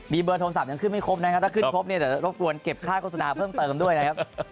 มีเบอร์โทรศัพท์ยังขึ้นไม่ครบนะครับถ้าขึ้นครบเนี่ยเดี๋ยวรบกวนเก็บค่าโฆษณาเพิ่มเติมด้วยนะครับ